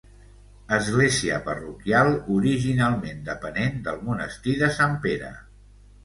Església parroquial, originalment depenent del monestir de Sant Pere.